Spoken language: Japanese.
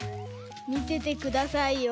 みててくださいよ。